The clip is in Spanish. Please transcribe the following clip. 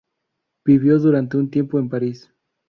Vivió durante un tiempo en París.